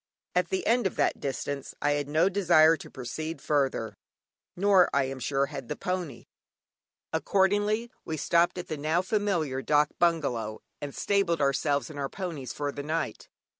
At the end of that distance I had no desire to proceed further, nor, I am sure, had the pony. Accordingly, we stopped at the now familiar dâk bungalow, and stabled ourselves and our ponies for the night.